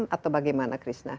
atau bagaimana krishna